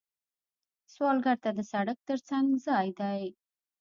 سوالګر ته د سړک تر څنګ ځای دی